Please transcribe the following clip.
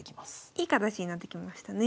いい形になってきましたね。